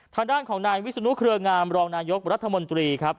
ทางด้านของนายวิศนุเครืองามรองนายกรัฐมนตรีครับ